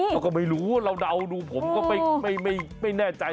เราก็ไม่รู้เราเดาดูผมก็ไม่แน่ใจ